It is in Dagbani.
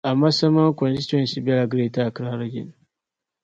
Amasaman Constituency be la Greater Accra Region.